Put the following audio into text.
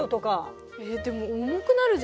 えっでも重くなるじゃんそれ。